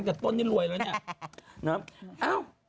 แต่ต้นนี่รวยแล้วเนี่ย